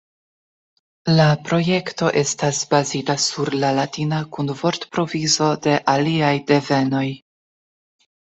La projekto estas bazita sur la latina kun vortprovizo de aliaj devenoj.